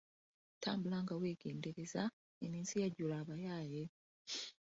Tambula nga weegendereza eno ensi yajjula abayaaye.